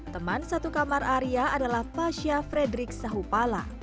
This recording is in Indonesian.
teman satu kamar area adalah fasya fredrik sahupala